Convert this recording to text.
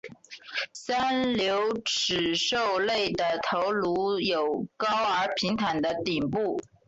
三瘤齿兽类的头颅有高而平坦的顶部。